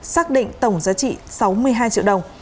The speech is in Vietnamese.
xác định tổng giá trị sáu mươi hai triệu đồng